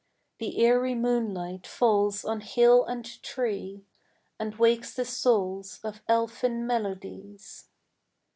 The eerie moonlight falls on hill and tree, And wakes the souls of elfin melodies.